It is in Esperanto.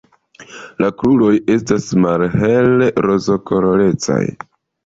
La kruroj estas malhele rozkolorecaj.